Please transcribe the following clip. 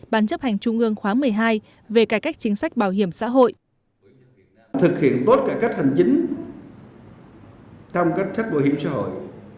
bán chấp hành trung ương khóa một mươi hai về cải cách chính sách bảo hiểm xã hội